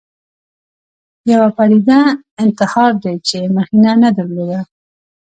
یوه پدیده انتحار دی چې مخینه نه درلوده